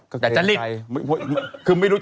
แกจะริ่ด